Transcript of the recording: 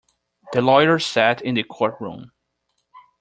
The lawyer sat in the courtroom.